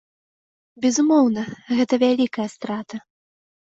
Безумоўна, гэта вялікая страта.